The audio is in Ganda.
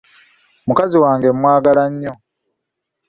Mukazi wange mwagala nnyo.